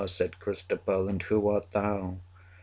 (Said Christabel,) And who art thou?